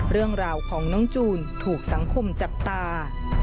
เรื่องราวของน้องจูนถูกสังคมจับตา